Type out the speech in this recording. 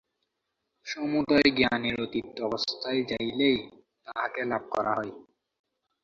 সমুদয় জ্ঞানের অতীত অবস্থায় যাইলেই তাঁহাকে লাভ করা হয়।